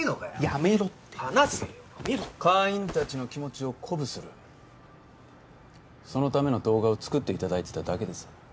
やめろって離せよやめろって会員達の気持ちを鼓舞するそのための動画を作っていただいてただけです